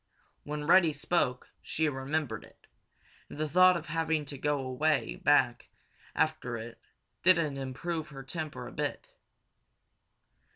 When Reddy spoke, she remembered it, and the thought of having to go way back after it didn't improve her temper a bit.